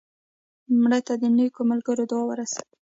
مړه ته د نیکو ملګرو دعا ورسېږي